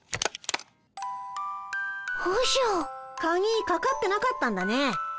カギかかってなかったんだね。